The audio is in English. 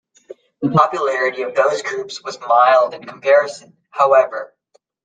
The popularity of those groups was mild in comparison, however.